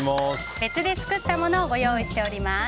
別で作ったものをご用意しています。